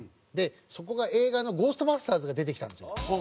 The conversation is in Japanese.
そこが映画のゴーストバスターズが出てきたんですよ。